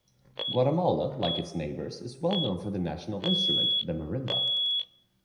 Guatemala, like its neighbors, is well known for the national instrument, the marimba.